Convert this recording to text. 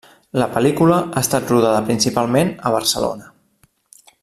La pel·lícula ha estat rodada principalment a Barcelona.